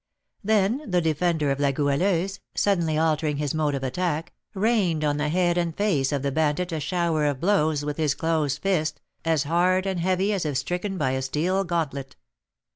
Then the defender of La Goualeuse, suddenly altering his mode of attack, rained on the head and face of the bandit a shower of blows with his closed fist, as hard and heavy as if stricken by a steel gauntlet.